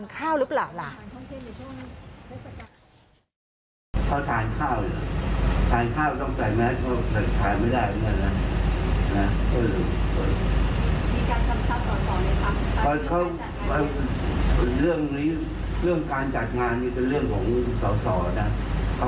เรื่องนี้เรื่องการจัดงานมีแต่เรื่องของส่อนะ